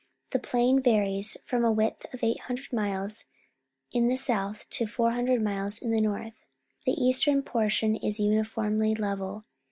The plain varies from a width of 800 miles in the south to 400 miles in the north. The eastern portion is uniformly level.